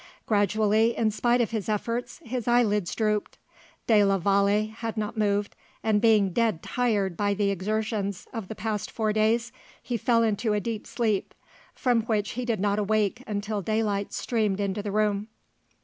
Gradually, in spite of his efforts, his eyelids drooped. De la Vallee had not moved, and, being dead tired by the exertions of the past four days, he fell into a deep sleep, from which he did not awake until daylight streamed into the room.